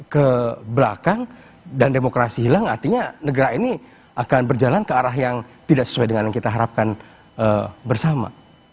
ke belakang dan demokrasi hilang artinya negara ini akan berjalan ke arah yang tidak sesuai dengan yang kita harapkan bersama